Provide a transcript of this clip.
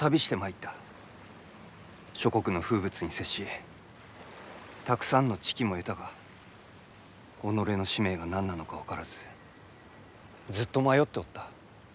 諸国の風物に接したくさんの知己も得たが己の使命が何なのか分からずずっと迷っておった。